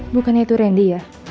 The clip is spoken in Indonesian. bukannya itu randy ya